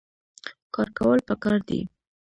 کار کول پکار دي